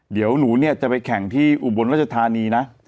เดี๋ยวหนูเนี่ยจะไปแข่งที่อุบลรัชธานีนะ